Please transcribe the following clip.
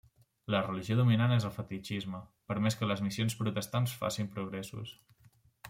La religió dominant és el fetitxisme, per més que les missions protestants facin progressos.